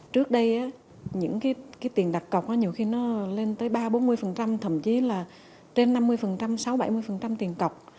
trước đây những cái tiền đặt cọc nhiều khi nó lên tới ba bốn mươi thậm chí là trên năm mươi sáu bảy mươi tiền cọc